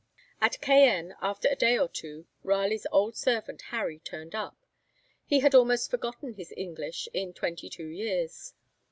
At Cayenne, after a day or two, Raleigh's old servant Harry turned up; he had almost forgotten his English in twenty two years.